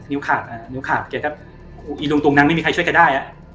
อีลุงตุงนังไม่มีใครช่วยกันได้